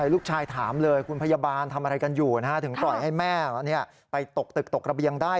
ลูกชายถามเลยคุณพยาบาลทำอะไรกันอยู่ถึงปล่อยให้แม่ไปตกตึกตกระเบียงได้